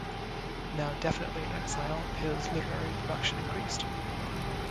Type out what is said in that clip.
Now definitively an exile, his literary production increased.